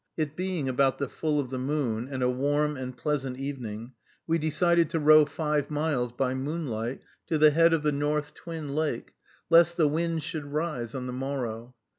It being about the full of the moon, and a warm and pleasant evening, we decided to row five miles by moonlight to the head of the North Twin Lake, lest the wind should rise on the morrow.